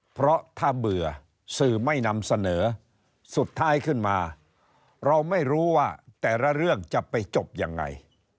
เพราะถ้าเบื่อสื่อไม่นำเสนอสุดท้ายขึ้นมาเราไม่รู้ว่าแต่ละเรื่องจะไปจบยังไง